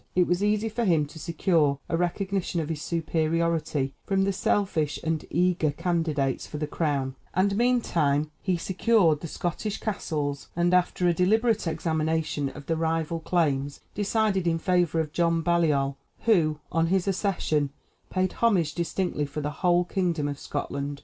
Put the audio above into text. It was easy for him to secure a recognition of his superiority from the selfish and eager candidates for the crown, and meantime he secured the Scottish castles, and after a deliberate examination of the rival claims, decided in favor of John Baliol, who, on his accession, paid homage distinctly for the whole kingdom of Scotland.